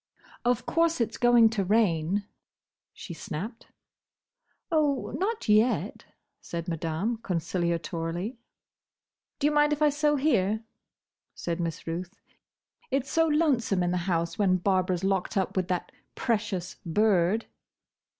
"Of course it's going to rain," she snapped. "Oh, not yet," said Madame, conciliatorily. "Do you mind if I sew here?" said Miss Ruth. "It's so lonesome in the house, when Barbara's locked up with that precious bird!"